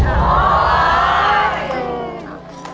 ไปได้